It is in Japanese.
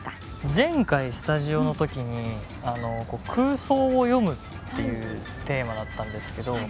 前回スタジオの時に「空想を詠む」っていうテーマだったんですけど。